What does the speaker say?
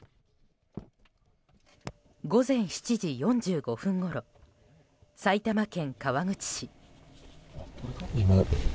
午前７時４５分ごろ埼玉県川口市。